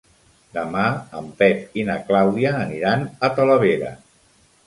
Demà en Pep i na Clàudia aniran a Talavera.